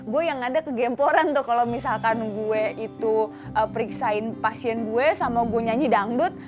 gua yang ada kegemporan tuh kalo misalkan gue itu periksa pasien gue sama gua nyahin dangdut